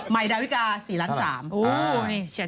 ใหม่ดาวิกา๔ล้าน๓